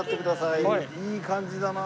いい感じだな。